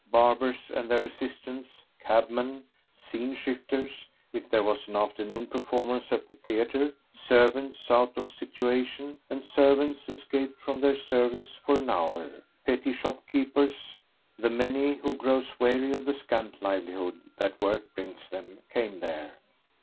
Barbers and their assistants, cabmen, scene shifters, if there was an afternoon performance at the theatre, servants out of situation and servants escaped from their service for an hour, petty shopkeepers, the many who grow weary of the scant livelihood that work brings them, came there.